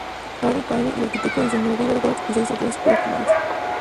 Harry Payne, el arquitecto, diseñó River Oaks y seis otras escuelas primarias.